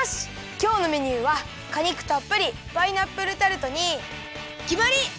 きょうのメニューはかにくたっぷりパイナップルタルトにきまり！